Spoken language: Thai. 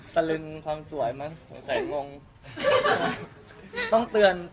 ประตูง่ายหมดเลย